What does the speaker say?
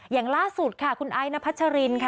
อย่างล่าสุดค่ะคุณไอ้นพัชรินค่ะ